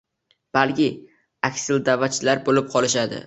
balki aksilda’vatchilar bo‘lib qolishadi.